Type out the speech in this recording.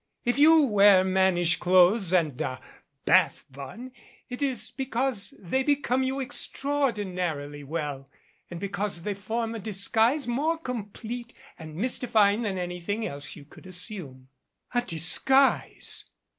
If you wear mannish clothes and a Bath bun, it is because they become you extraordinarily well and be cause they form a disguise more complete and mystifying than anything else you could assume." "A disguise!"